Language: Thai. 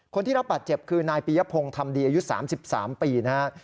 คนที่รับบาดเจ็บคือนายปียพงศ์ทำดีอายุ๓๓ปีนะครับ